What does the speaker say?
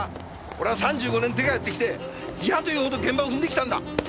俺は３５年デカやってきていやというほど現場を踏んできたんだ。